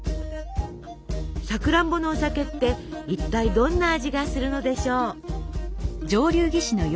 さくらんぼのお酒って一体どんな味がするのでしょう？